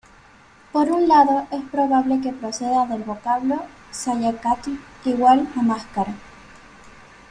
Por un lado, es probable que proceda del vocablo "xayácatl"=máscara.